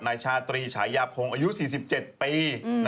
นายชาตรีศัยยาโพงอายุ๔๗ปี